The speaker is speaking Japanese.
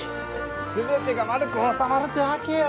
全てが丸く収まるってわけよ！